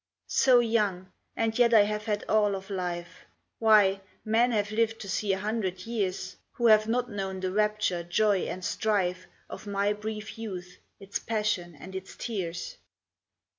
So young, and yet I have had all of life. Why, men have lived to see a hundred years, Who have not known the rapture, joy, and strife Of my brief youth, its passion and its tears.